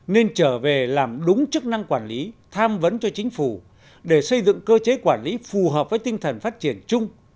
nên trở về làm đúng chức năng quản lý tham vấn cho chính phủ để xây dựng cơ chế quản lý phù hợp với tinh thần phát triển chung